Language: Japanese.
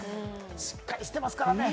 しっかりしてますからね。